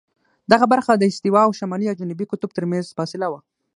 دغه برخه د استوا او شمالي یا جنوبي قطب ترمنځ فاصله وه.